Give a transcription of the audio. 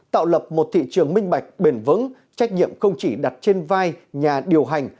tạo lập một thị trường minh bạch bền vững trách nhiệm không chỉ đặt trên vai nhà điều hành